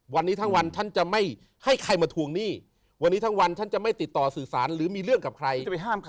วันนี้ทั้งวันฉันจะไม่ให้ใครมาทวงหนี้วันนี้ทั้งวันฉันจะไม่ติดต่อสื่อสารหรือมีเรื่องกับใครจะไปห้ามใคร